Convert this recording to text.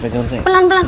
mbak awas awas pelan pelan